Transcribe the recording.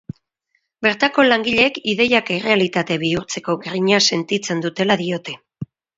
Bertako langileek ideiak errealitate bihurtzeko grina sentitzen dutela diote.